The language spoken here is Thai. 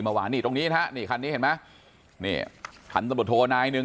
เมื่อวานนี่ตรงนี้นะนี่คันนี้เห็นไหมนี่ถันสมโตรนายนึง